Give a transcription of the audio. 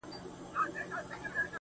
څه ويلاى نه سم,